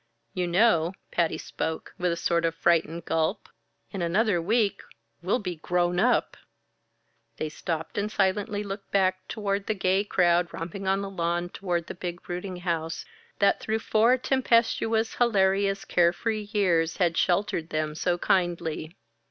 "You know," Patty spoke with a sort of frightened gulp "in another week we'll be grown up!" They stopped and silently looked back toward the gay crowd romping on the lawn, toward the big brooding house, that through four tempestuous, hilarious, care free years had sheltered them so kindly.